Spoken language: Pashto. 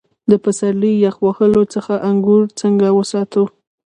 د پسرلي یخ وهلو څخه انګور څنګه وساتم؟